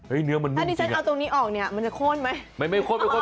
ถ้าดิฉันเอาตรงนี้ออกเนี่ยมันจะโคตรไหม